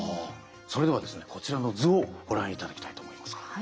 それではこちらの図をご覧いただきたいと思います。